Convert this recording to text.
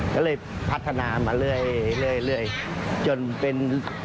ก็เลยพัฒนามาเรื่อยเรื่อยเรื่อยจนเป็น